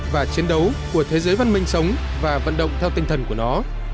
và chiến đấu của thế giới văn minh sống và vận động theo tinh thần của nó